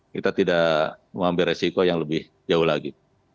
kita tidak mengambil resiko yang lebih jauh lagi